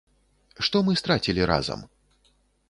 Што мы страцілі разам?